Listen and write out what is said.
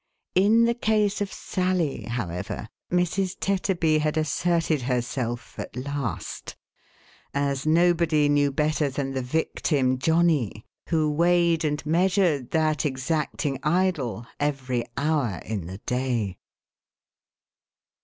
In the case of Sally, however, Mrs. Tetterby had asserted herself, at last ; as nobody knew better than the victim Johnny, who weighed and measured that exacting idoi every hour in the day.